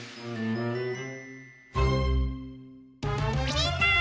みんな！